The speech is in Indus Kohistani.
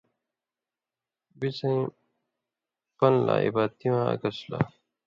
بِڅَیں پن لا، عِبادتیواں عَکَس لا